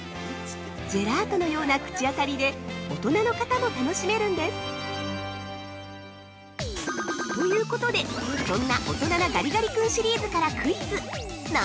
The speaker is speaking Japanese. ジェラートのような口当たりで大人の方も楽しめるんです！ということで、そんな「大人なガリガリ君シリーズ」からクイズを出題！